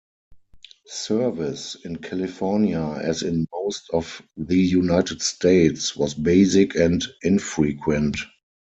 Service in California, as in most of the United States, was basic and infrequent.